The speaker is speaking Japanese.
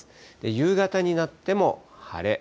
夕方になっても晴れ。